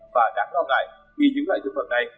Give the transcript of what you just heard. và đáng lo ngại khi những loại thực phẩm này